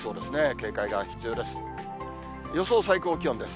警戒が必要です。